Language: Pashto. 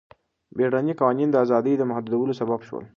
بیړني قوانین د ازادیو د محدودولو سبب شول.